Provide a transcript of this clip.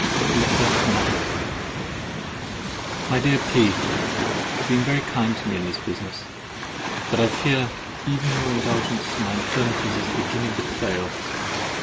LETTER IX My dear P——, You have been very kind to me in this business; but I fear even your indulgence for my infirmities is beginning to fail.